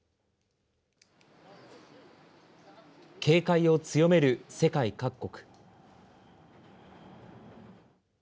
警戒を強める世界各国。